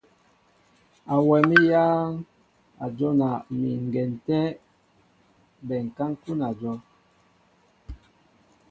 Awɛm éyáŋ a jona mi ŋgɛn tɛ́ bɛnká ń kúná ajɔ́w.